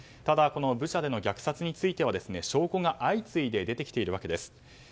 ただ、ブチャでの虐殺については証拠が相次いで出てきているわけです。